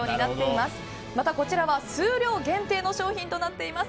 また、こちらは数量限定の商品となっています。